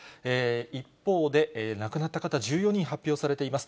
一方で亡くなった方、１４人発表されています。